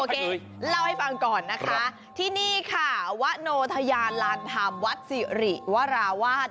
ด้วยฟังก่อนนะคะที่นี่ค่ะวันนโทยานลานพรรมวัดศรีวราวาส